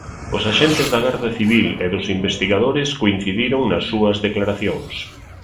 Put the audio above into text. Os axentes da Garda Civil e dos investigadores coincidiron nas súas declaracións.